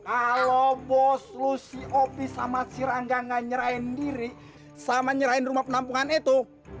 kalo bos lo si opi sama si rangga gak nyerahin diri sama nyerahin rumah penampungan itu